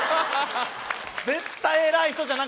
絶対偉い人じゃん。